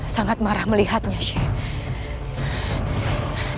sangat marah melihatnya shee